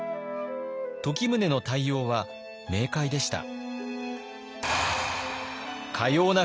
時宗の対応は明快でした。